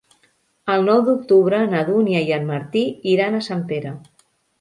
El nou d'octubre na Dúnia i en Martí iran a Sempere.